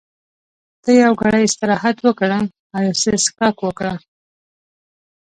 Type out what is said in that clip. ته یو ګړی استراحت وکړه او یو څه څښاک وکړه.